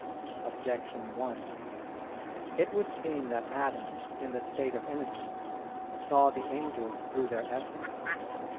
Objection 1: It would seem that Adam, in the state of innocence, saw the angels through their essence.